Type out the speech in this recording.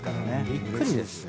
びっくりですよ。